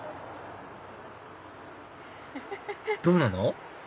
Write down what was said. どうなの？